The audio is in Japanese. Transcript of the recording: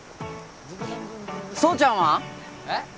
蒼ちゃんは？えっ？